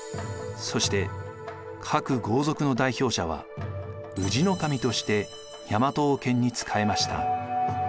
そして各豪族の代表者は氏上として大和王権に仕えました。